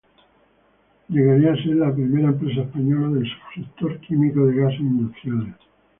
Llegaría a ser la primera empresa española del subsector químico de gases industriales.